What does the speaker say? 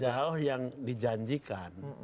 sejauh yang dijanjikan